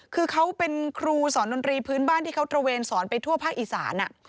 คือเขาเป็นครูสอนดนตรีพื้นบ้านที่เขาตระเวนสอนไปทั่วภาคอีสาน